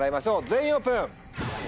全員オープン。